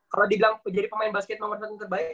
kalau dibilang menjadi pemain basket nomor satu terbaik